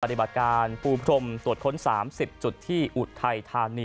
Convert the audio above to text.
ปฏิบัติการปูพรมตรวจค้น๓๐จุดที่อุทัยธานี